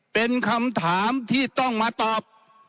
เป็นคำถามที่ต้องมาตอบ